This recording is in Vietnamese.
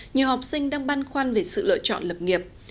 nhiều học sinh đang băn khoăn về sự lựa chọn lập nghiệp